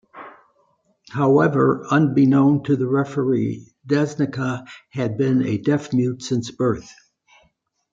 However, unbeknown to the referee, Desnica had been a deaf-mute since birth.